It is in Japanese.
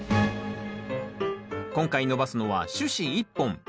今回伸ばすのは主枝１本。